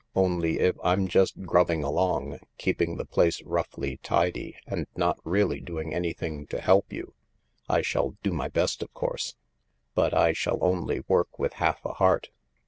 Only if I'm just grubbing along, keeping the place roughly tidy and not really doing anything to help you, I shall do my best, of course, but I shall only work with half a heart.